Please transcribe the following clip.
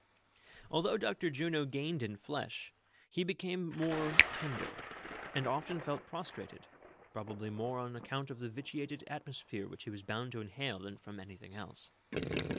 Although Dr. Juno gained in flesh, he became more ten der, and often felt prostrated, probably more on account of the vitiated atmosphere which he was bound to inhale than from anything else.